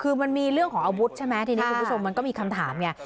คือมันมีเรื่องของอาวุธใช่ไหมทีนี้คุณผู้ชมมันก็มีคำถามไง